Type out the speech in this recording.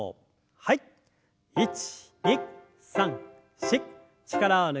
はい。